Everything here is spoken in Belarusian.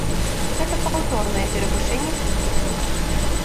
Гэта паўторнае перавышэнне хуткасці.